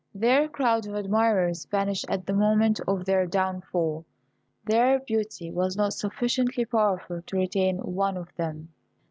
Their crowd of admirers vanished at the moment of their downfall; their beauty was not sufficiently powerful to retain one of them.